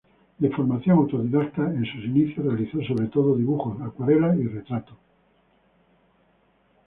De formación autodidacta, en sus inicios realizó sobre todo dibujos, acuarelas y retratos.